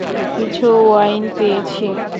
কিছু ওয়াইন পেয়েছি।